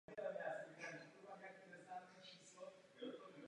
Představuje důležitý prvek pro komunikační aktivity.